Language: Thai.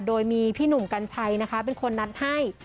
โดยมีพี่หนุ่มกัญชัยนะคะเป็นคนนัดให้